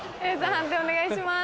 判定お願いします。